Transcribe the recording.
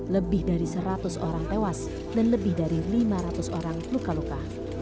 lebih dari seratus orang tewas dan lebih dari lima ratus orang luka luka